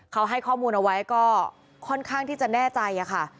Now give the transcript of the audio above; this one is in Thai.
เขาให้ข้อมูลเอาไว้ก็ค่อนข้างที่จะแน่ใจค่ะ